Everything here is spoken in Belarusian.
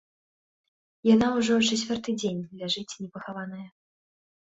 Яна ўжо чацвёрты дзень ляжыць непахаваная.